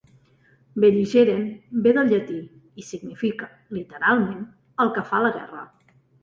"Belligerent" ve del llatí i significa, literalment, "el que fa la guerra".